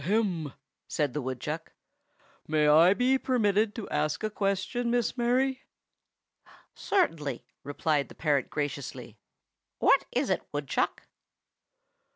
"Ahem!" said the woodchuck. "May I be permitted to ask a question, Miss Mary?" "Certainly," replied the parrot graciously. "What is it, Woodchuck?"